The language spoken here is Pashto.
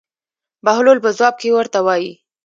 بهلول په ځواب کې ورته وایي.